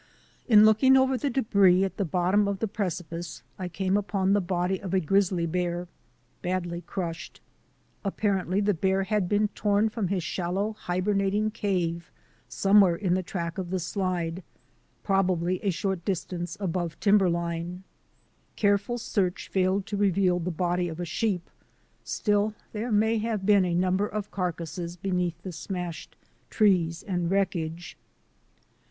In looking over the debris at the bottom of the precipice I came upon the body of a grizzly bear, badly crushed. Apparently this bear had been torn from his shallow hibernating cave somewhere in the track of the slide, probably a short distance above timberline. Careful search failed to reveal the body of a sheep; still there may have been a number of carcasses beneath the smashed trees and wreckage.